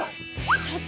ちょっと！